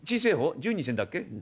１２銭だっけ？